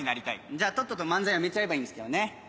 じゃあとっとと漫才やめちゃえばいいんですけどね。